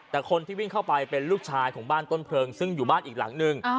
แต่คนที่วิ่งเข้าไปเป็นลูกชายของบ้านต้นเพลิงซึ่งอยู่บ้านอีกหลังนึง